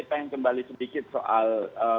ingin kembali sedikit soal